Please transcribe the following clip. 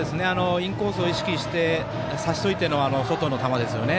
インコースを意識させておいての外の球ですよね。